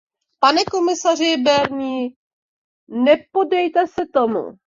Pane komisaři Barniere, nepoddejte se tomu.